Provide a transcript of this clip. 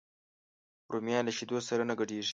رومیان له شیدو سره نه ګډېږي